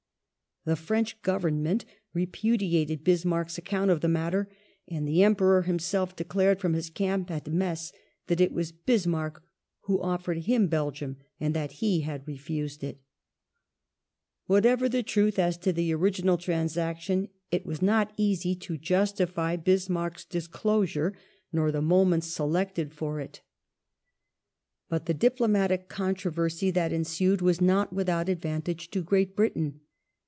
The French Govern ment repudiated Bismarck's account of the matter, and the Emperor himself declared from his camp at Metz that it was Bismarck who offered him Belgium and that he had refused it.^ Whatever the truth as to the original transaction it was not easy to justify Bismarck's disclosure, nor the moment selected for it. ^ Fitzmaurice, ii. 41. I 426 ADMINISTRATIVE REFORM [1868 But the diplomatic controversy that ensued was not without advantage to Great Britain.